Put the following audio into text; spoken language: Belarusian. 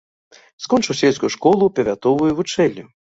Скончыў сельскую школу, павятовую вучэльню.